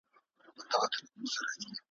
نه د چا د میني نه د زلفو بندیوان یمه ,